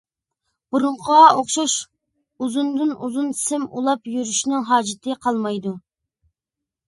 بۇرۇنقىغا ئوخشاش ئۇزۇندىن-ئۇزۇن سىم ئۇلاپ يۈرۈشنىڭ ھاجىتى قالمايدۇ.